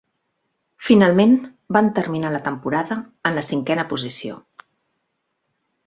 Finalment van terminar la temporada en la cinquena posició.